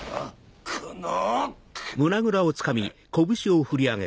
この！